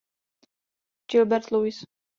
Gilbert Louis.